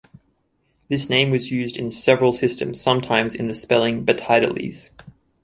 This name was used in several systems, sometimes in the spelling Batidales.